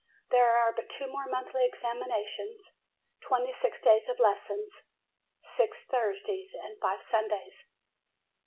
There are but two more monthly examinations, twenty six days of les sons, six Thursdays, and five Sundays.